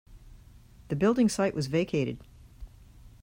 The building site was vacated.